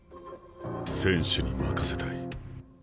選手に任せたい。